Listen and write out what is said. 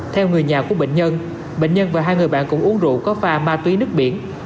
theo người nhà của bệnh nhân bệnh nhân và hai người bạn cũng uống rượu có pha ma túy nước biển